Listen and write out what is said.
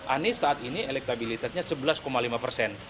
anies saat ini elektabilitasnya sebelas lima persen